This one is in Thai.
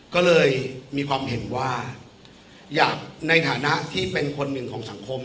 ก็เลยมีความเห็นว่าอยากในฐานะที่เป็นคนหนึ่งของสังคม